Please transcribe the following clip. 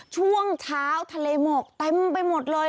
ช่วงเช้าทะเลหมอกเต็มไปหมดเลย